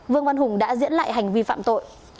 vương văn hùng đã diễn lại hành vi phạm tội